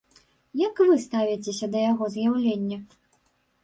Як вы ставіцеся да яго з'яўлення?